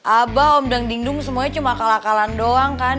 abah om dang dingdung semuanya cuma kalakalan doang kan